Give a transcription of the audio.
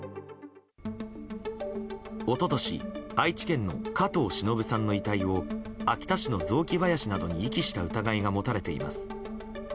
一昨年、愛知県の加藤しのぶさんの遺体を秋田市の雑木林などに遺棄した疑いが持たれています。